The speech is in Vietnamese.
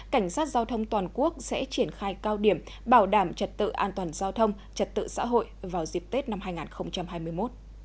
cảnh sát giao thông toàn quốc sẽ triển khai cao điểm bảo đảm trật tự an toàn giao thông trật tự xã hội vào dịp tết năm hai nghìn hai mươi một